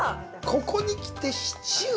ここに来てシチュー。